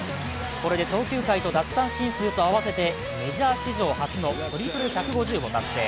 これで投球回と奪三振数と合わせメジャー史上初のトリプル１５０を達成。